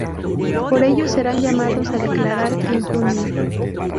Por ello serán llamados a declarar en junio.